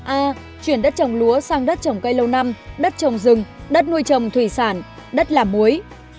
a chuyển đất trồng lúa sang đất trồng cây lâu năm đất trồng rừng đất nuôi trồng thủy sản đất làm muối